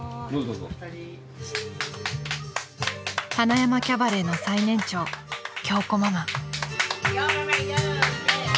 ［塙山キャバレーの最年長京子ママ］